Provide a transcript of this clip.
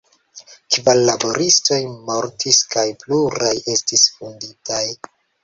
Kvar laboristoj mortis kaj pluraj estis vunditaj.